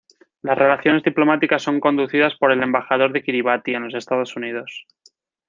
Las relaciones diplomáticas son conducidas por el Embajador de Kiribati en los Estados Unidos.